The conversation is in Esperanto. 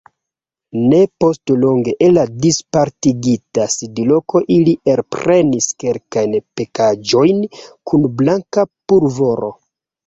Ne postlonge el la dispartigita sidloko ili elprenis kelkajn pakaĵojn kun blanka pulvoro.